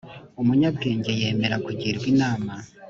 umunyabwenge yemera kugirwa inama